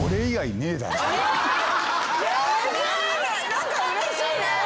何かうれしいね。